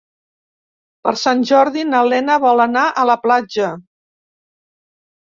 Per Sant Jordi na Lena vol anar a la platja.